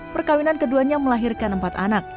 perkawinan keduanya melahirkan empat anak